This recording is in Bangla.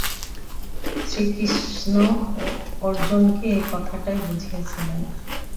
শ্রীকৃষ্ণ অর্জুনকে এই কথাটাই বুঝিয়েছিলেন।